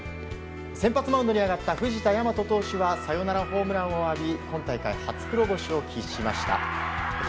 先発マウンドに上がった藤田倭投手はサヨナラホームランを浴び今大会初黒星を喫しました。